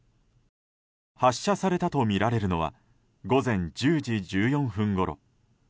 発射されたとみられるのは午前１０時１４分ごろ。